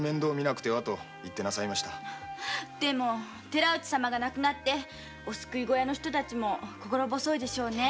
寺内様が亡くなってお救い小屋の人たちも心細いでしょうね。